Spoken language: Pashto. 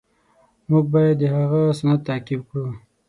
مونږ باید د هغه سنت تعقیب کړو.